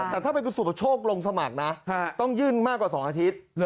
แต่ถ้าเป็นคุณสุประโชคลงสมัครนะต้องยื่นมากกว่า๒อาทิตย์